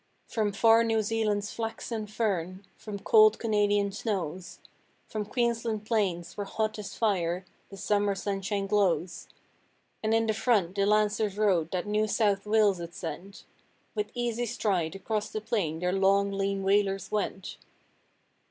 From far New Zealand's flax and fern, from cold Canadian snows, From Queensland plains, where hot as fire the summer sunshine glows; And in the front the Lancers rode that New South Wales had sent: With easy stride across the plain their long, lean Walers went.